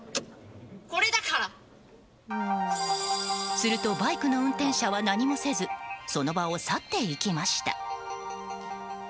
するとバイクの運転者は何もせずその場を去っていきました。